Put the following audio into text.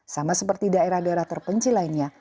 sama seperti daerah daerah terpencil lainnya